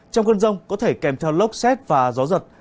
trong cơn rông có thể kèm theo lốc xét và gió giật